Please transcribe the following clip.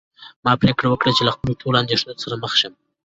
ما پرېکړه وکړه چې له خپلو ټولو اندېښنو سره مخ شم.